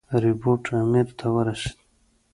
رپوټ امیر ته ورسېد.